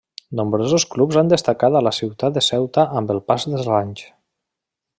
Nombrosos clubs han destacat a la ciutat de Ceuta amb el pas dels anys.